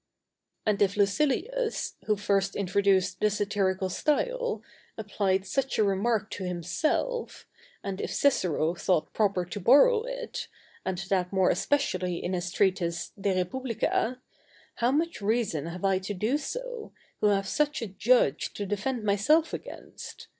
And if Lucilius, who first introduced the satirical style, applied such a remark to himself, and if Cicero thought proper to borrow it, and that more especially in his treatise "De Republica," how much reason have I to do so, who have such a judge to defend myself against!